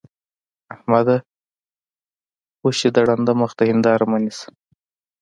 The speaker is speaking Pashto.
احمده! خوشې د ړانده مخ ته هېنداره مه نيسه.